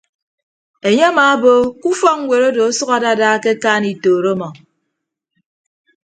Enye amaabo ke ufọkñwet odo ọsʌk adada ke akaan itooro ọmọ.